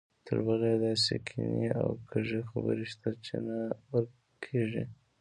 تربله یې داسې کینې او کږې خبرې شته چې نه ورکېږي.